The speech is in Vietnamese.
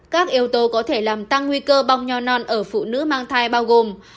các yếu tố có thể làm tăng nguy cơ bong nho non ở phụ nữ mang thai bao gồm